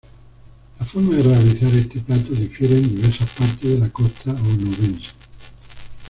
La forma de realizar este plato difiere en diversas partes de la costa onubense.